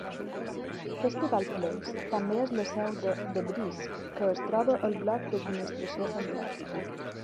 Festival Place també és la seu de The Breeze, que es troba al bloc d'administració central.